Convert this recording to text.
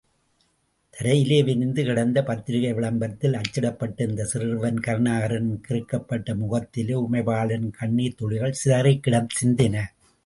தரையிலே விரிந்து கிடந்த பத்திரிகை விளம்பரத்தில் அச்சிடப்பட்டிருந்த சிறுவன் கருணாகரனின் கிறுக்கப்பட்ட முகத்திலே, உமைபாலனின் கண்ணீர்த்துளிகள் சிதறிச் சிந்தின!...